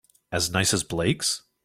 As nice as Blake's?